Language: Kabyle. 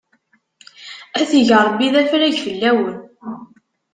A t-ig Ṛebbi d afrag fell-awen!